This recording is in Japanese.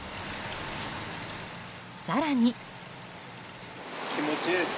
更に。